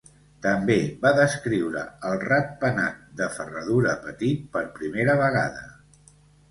També va descriure el Ratpenat de ferradura petit per primera vegada.